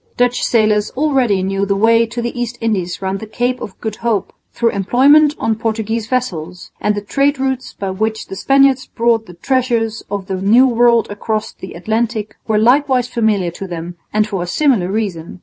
Dutch sailors already knew the way to the East Indies round the Cape of Good Hope through employment on Portuguese vessels; and the trade routes by which the Spaniards brought the treasures of the New World across the Atlantic were likewise familiar to them and for a similar reason.